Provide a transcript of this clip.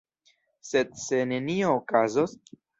Sed se nenio okazos?